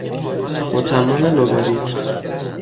متمم لگاریتم